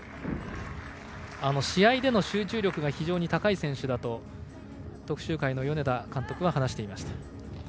試合での集中力が非常に高い選手だと徳洲会の米田監督は話していました。